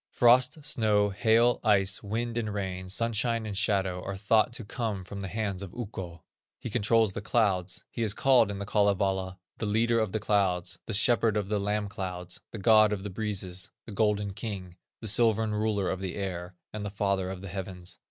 Frost, snow, hail, ice, wind and rain, sunshine and shadow, are thought to come from the hands of Ukko. He controls the clouds; he is called in The Kalevala, "The Leader of the Clouds," "The Shepherd of the Lamb Clouds," "The God of the Breezes," "The Golden King," "The Silvern Ruler of the Air," and "The Father of the Heavens."